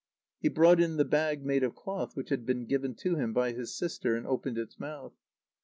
He brought in the bag made of cloth which had been given to him by his sister, and opened its mouth.